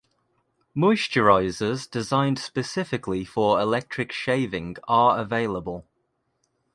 Moisturizers designed specifically for electric shaving are available.